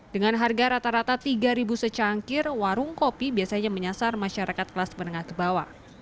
dengan harga rata rata tiga secangkir warung kopi biasanya menyasar masyarakat kelas menengah ke bawah